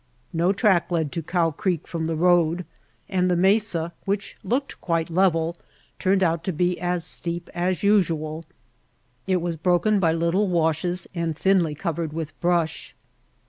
No track led to Cow Creek from the road, and the mesa, which looked quite level, turned out to be as steep as usual. It was broken by little washes and thinly covered with brush.